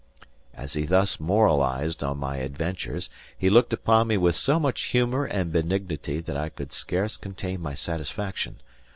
As he thus moralised on my adventures, he looked upon me with so much humour and benignity that I could scarce contain my satisfaction.